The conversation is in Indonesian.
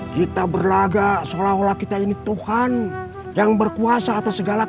kita berlaga seolah olah kita ini tuhan yang berkuasa atas segala